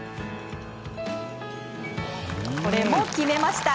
これも決めました。